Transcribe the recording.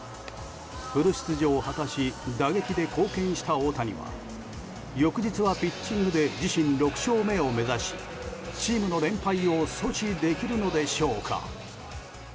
フル出場を果たし打撃で貢献した大谷は翌日はピッチングで自身６勝目を目指しチームの連敗を阻止できるのでしょうか。